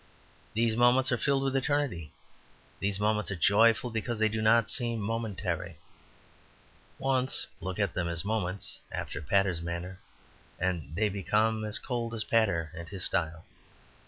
These moments are filled with eternity; these moments are joyful because they do not seem momentary. Once look at them as moments after Pater's manner, and they become as cold as Pater and his style.